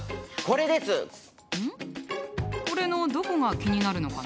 これのどこが気になるのかな？